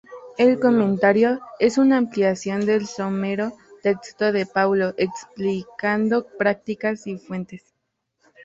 El "Comentario" es una ampliación del somero texto de Paulo, explicando prácticas y fuentes.